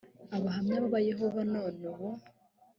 abahamya ba yehova none ubu